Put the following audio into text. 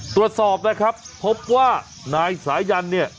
ตรวจสอบนะครับพบว่านายสายันเนี่ย